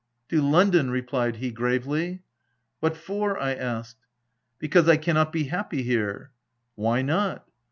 " To London," replied he, gravely. "What for?" I asked. " Because I cannot be happy here," "Why not?"